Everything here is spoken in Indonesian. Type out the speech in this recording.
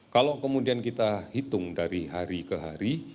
kalau kemudian kita hitung dari hari ke hari